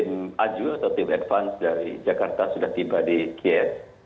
tim aju atau tim advance dari jakarta sudah tiba di kiev